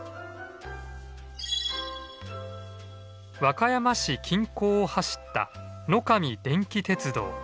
和歌山市近郊を走った野上電気鉄道。